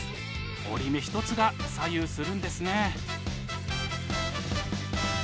折り目一つが左右するんですねえ。